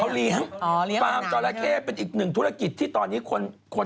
เขาเลี้ยงฟาร์มจอราเข้เป็นอีกหนึ่งธุรกิจที่ตอนนี้คนคน